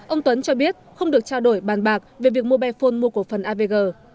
ông tuấn cho biết không được trao đổi bàn bạc về việc mobile phone mua cổ phần avg